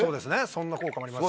そんな効果もありますし。